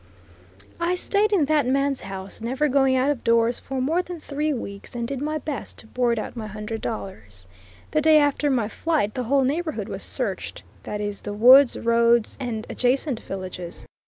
I stayed in that man's house, never going out of doors, for more than three weeks, and did my best to board out my hundred dollars. The day after my flight the whole neighborhood was searched, that is, the woods, roads, and adjacent villages.